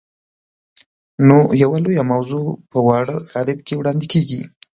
نو یوه لویه موضوع په واړه کالب کې وړاندې کېږي.